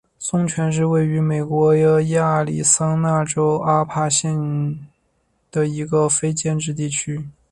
松泉是位于美国亚利桑那州阿帕契县的一个非建制地区。